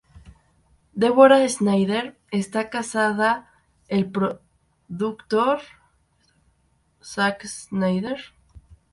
Deborah Snyder está casada el productor Zack Snyder.